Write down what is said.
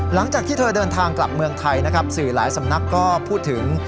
หลังจากที่เธอเดินทางกลับเมืองไทยนะครับสื่อหลายสำนักก็พูดถึง